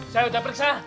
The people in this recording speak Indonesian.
saya udah periksa